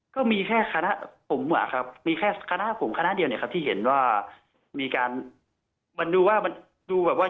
ก็มีแค่คณะผมอะครับมีแค่คณะผมคณะเดียวเนี่ยครับที่เห็นว่ามีการมันดูว่ามันดูแบบว่า